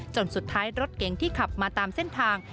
สุดท้ายรถเก๋งที่ขับมาตามเส้นทาง